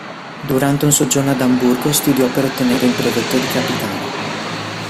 Durante un soggiorno ad Amburgo studiò per ottenere il brevetto di capitano.